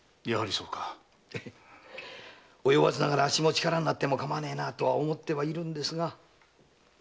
及ばずながらあっしも力になっても構わねえとは思ってはいるんですが。